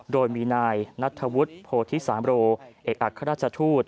โดยมีนายนัทธวุฒิโพธิสามโรเอกอัครราชทูต